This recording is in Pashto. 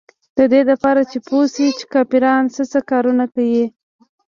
د دې دپاره چې پوې شي چې کافران سه سه کارونه کيي.